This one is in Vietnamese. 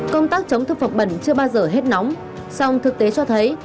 công tác chống thực phẩm bẩn chưa bao giờ hết nóng song thực tế cho thấy